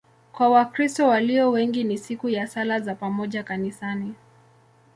Kwa Wakristo walio wengi ni siku ya sala za pamoja kanisani.